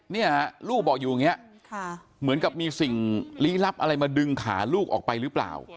เนี่ยลูกบอกอยู่อย่างนี้เหมือนกับมีสิ่งลี้ลับอะไรมาดึงขาลูกออกไปหรือเปล่า